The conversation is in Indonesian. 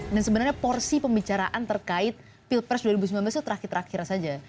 dan sebenarnya porsi pembicaraan terkait pilpres dua ribu sembilan belas itu terakhir terakhir saja